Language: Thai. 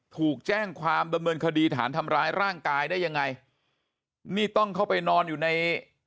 ถูกแจ้งความดำเนินคดีฐานทำร้ายร่างกายได้ยังไงนี่ต้องเข้าไปนอนอยู่ใน